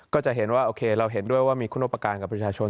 ก็จะเห็นว่าโอเคเราเห็นด้วยว่ามีคุณอุปการณ์กับประชาชน